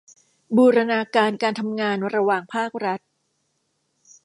บูรณาการการทำงานระหว่างภาครัฐ